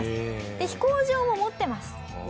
で飛行場も持ってます。